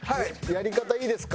やり方いいですか？